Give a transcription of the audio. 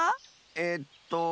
えっと。